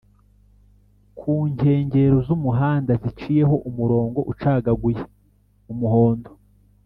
kunkengero z’umuhanda ziciyeho umurongo ucagaguye(Umuhondo)